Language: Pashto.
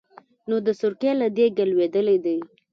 نو د سرکې له دېګه لوېدلی دی.